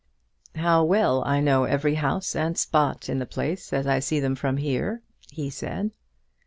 "How well I know every house and spot in the place as I see them from here," he said.